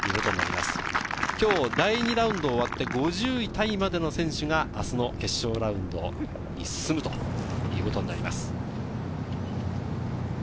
今日、第２ラウンドが終わって、５０位タイまでの選手が明日の決勝ラウンドに進むということになります。